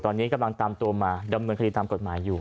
ตอนนี้กำลังตามตัวมาดำเนินคดีตามกฎหมายอยู่